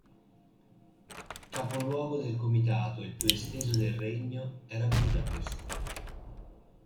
Capoluogo del comitato, il più esteso del regno, era Budapest.